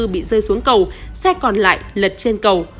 bị rơi xuống cầu xe còn lại lật trên cầu